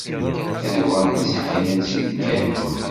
Ad uɣalen s akal ansi i d-kkan.